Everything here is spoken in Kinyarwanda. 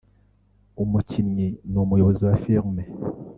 umukinnyi n’umuyobozi wa film